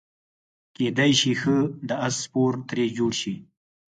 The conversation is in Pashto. کیدای شي ښه د اس سپور ترې جوړ شي.